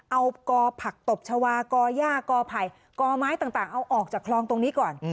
เอากอผักตบชาวากอย่ากอไผ่กอไม้ต่างเอาออกจากคลองตรงนี้ก่อน